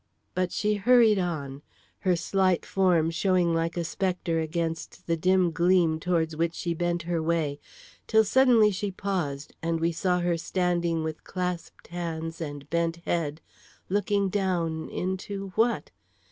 But she hurried on, her slight form showing like a spectre against the dim gleam towards which she bent her way, till suddenly she paused and we saw her standing with clasped hands, and bent head, looking down into what?